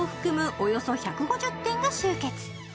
およそ１５０店が集結。